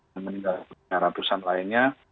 yang meninggal ratusan lainnya